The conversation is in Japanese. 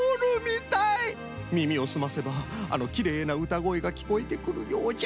みみをすませばあのきれいなうたごえがきこえてくるようじゃ。